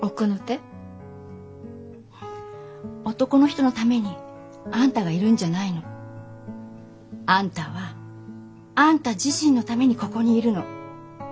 男の人のためにあんたがいるんじゃないの。あんたはあんた自身のためにここにいるの。